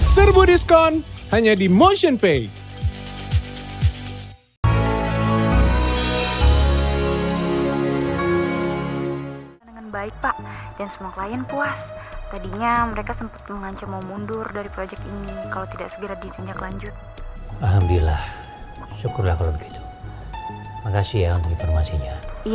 serbu diskon hanya di motionpay